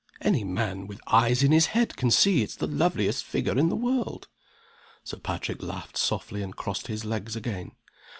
_ Any man, with eyes in his head, can see it's the loveliest figure in the world." Sir Patrick laughed softly, and crossed his legs again.